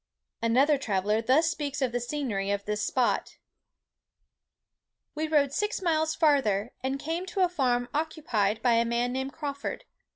Another traveller thus speaks of the scenery of this spot:—"We rode six miles farther, and came to a farm occupied by a man named Crawford.